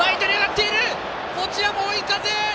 こちらも追い風！